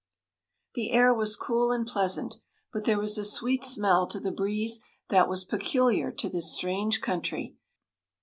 The air was cool and pleasant, but there was a sweet smell to the breeze that was peculiar to this strange country.